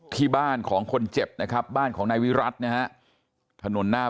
ที่บ้านของคนเจ็บนะครับบ้านของนายวิรัตินะฮะถนนหน้า